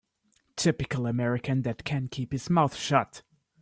Typical American that can keep his mouth shut.